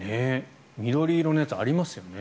緑色のやつありますよね。